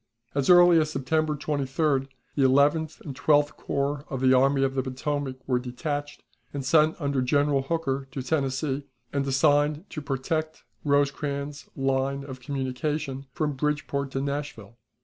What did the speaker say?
As early as September 23d the Eleventh and Twelfth Corps of the Army of the Potomac were detached, and sent under General Hooker to Tennessee, and assigned to protect Rosecrans's line of communication from Bridgeport to Nashville.